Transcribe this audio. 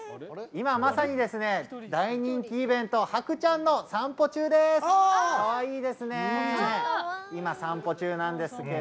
今まさに大人気イベントハクちゃんの散歩中です。